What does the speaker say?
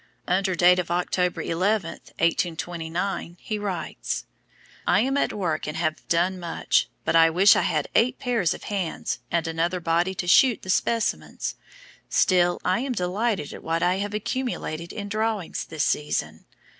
Under date of October 11, 1829, he writes: "I am at work and have done much, but I wish I had eight pairs of hands, and another body to shoot the specimens; still I am delighted at what I have accumulated in drawings this season.